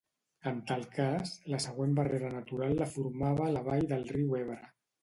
En tal cas, la següent barrera natural la formava la vall del riu Ebre.